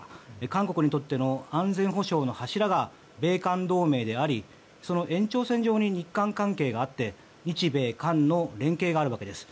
韓国にとっての安全保障の柱が米韓同盟でありその延長線上に日韓関係があって日米韓の連携があるわけです。